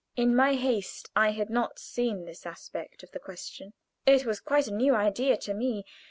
In my haste I had not seen this aspect of the question. It was quite a new idea to me.